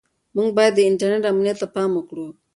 موږ باید د انټرنیټ امنیت ته پام وکړو.